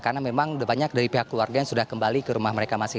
karena memang banyak dari pihak keluarga yang sudah kembali ke rumah